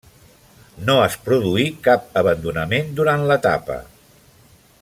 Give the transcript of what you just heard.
No es produí cap abandonament durant l'etapa.